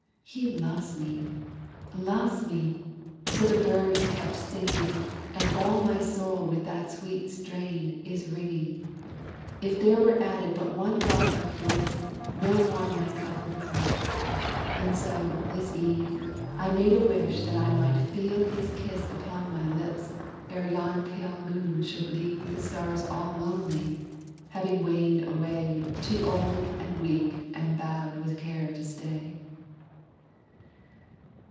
He loves me loves me! so the birds kept singing, And all my soul with that sweet strain is ringing. If there were added but one drop of bliss, No more my cup would hold: and so, this eve, I made a wish that I might feel his kiss Upon my lips, ere yon pale moon should leave The stars all lonely, having waned away, Too old and weak and bowed with care to stay."